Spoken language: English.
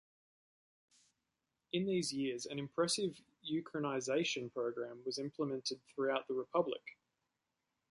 In these years an impressive Ukrainization program was implemented throughout the republic.